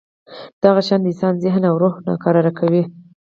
دغه شیان د انسان ذهن او روح ناکراره کوي.